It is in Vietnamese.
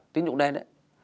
tính dụng đen